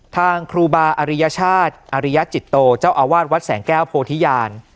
ทางครูบาอริยชาติอริยจิตโตเจ้าอาวาสวัดแสงแก้วโพธิญาณ